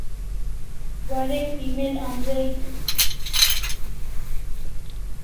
Warek email anzai